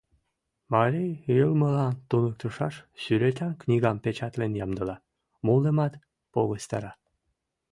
Марий йылмылан туныктышаш сӱретан книгам печатлен ямдыла, молымат погыстара.